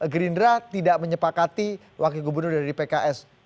gerindra tidak menyepakati wakil gubernur dari pks